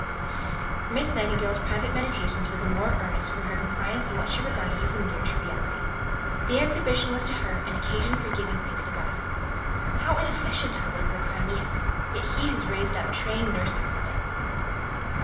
Miss Nightingale's private meditations were the more earnest for her compliance in what she regarded as a mere triviality. The Exhibition was to her an occasion for giving thanks to God. "How inefficient I was in the Crimea! Yet He has raised up Trained Nursing from it!"